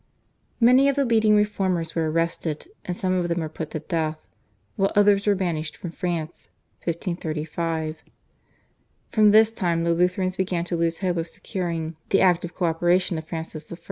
Many of the leading reformers were arrested and some of them were put to death, while others were banished from France (1535). From this time the Lutherans began to lose hope of securing the active co operation of Francis I.